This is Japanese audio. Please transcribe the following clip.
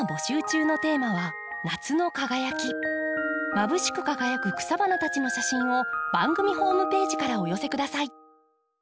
まぶしく輝く草花たちの写真を番組ホームページからお寄せ下さい。